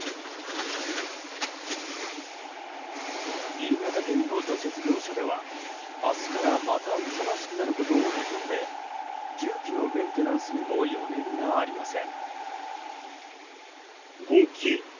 新潟県の除雪業者では明日からまた忙しくなることを見込んで重機のメンテナンスにも余念がありません。